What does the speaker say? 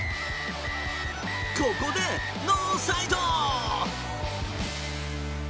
ここでノーサイド。